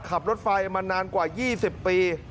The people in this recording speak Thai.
ขับรถไฟมานานกว่า๒๐ปี